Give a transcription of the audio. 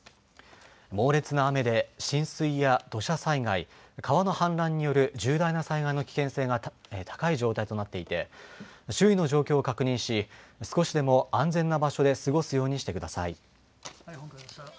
猛烈な雨で浸水や土砂災害、川の氾濫による重大な災害の危険性が高い状態となっていて周囲の状況を確認し少しでも安全な場所で過ごすようにしてください。